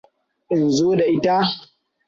In zo da ita?